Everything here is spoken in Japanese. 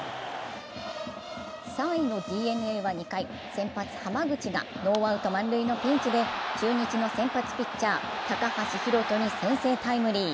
３位のＤｅＮＡは２回、先発・濱口がノーアウト満塁のピンチで中日の先発ピッチャー・高橋宏斗に先制タイムリー。